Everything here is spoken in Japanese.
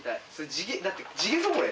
地毛だって地毛ぞこれ。